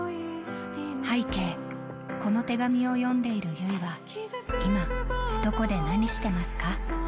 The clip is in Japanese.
拝啓、この手紙を読んでいる優生は今、どこで何してますか？